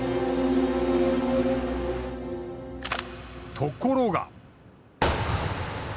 ところが。